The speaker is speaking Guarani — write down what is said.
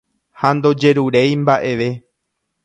Ha ndojeruréi mba'eve